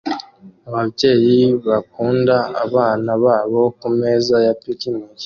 Ababyeyi bakunda abana babo kumeza ya picnic